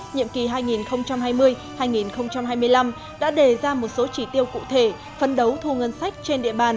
nhiệm kỳ hai nghìn hai mươi hai nghìn hai mươi năm đã đề ra một số chỉ tiêu cụ thể phân đấu thu ngân sách trên địa bàn